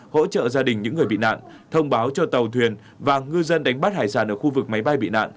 hỗ trợ gia đình những người bị nạn thông báo cho tàu thuyền và ngư dân đánh bắt hải sản ở khu vực máy bay bị nạn